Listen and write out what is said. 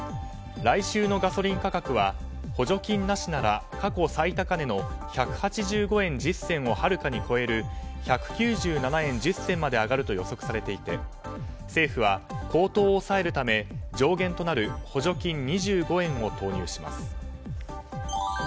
来週のガソリン価格は補助金なしなら過去最高値の１８５円１０銭をはるかに超える１９７円１０銭まで上がると予測されていて政府は高騰を抑えるため上限となる補助金２５円を投入します。